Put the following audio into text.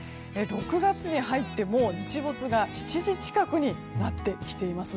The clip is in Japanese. ６月に入ってもう、日没が７時近くになってきています。